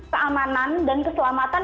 keamanan dan keselamatan